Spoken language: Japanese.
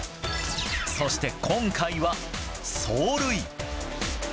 そして、今回は走塁。